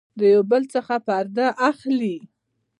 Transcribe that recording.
د يو بل څخه پرده اخلي